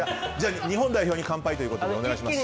日本代表に乾杯ということでお願いします。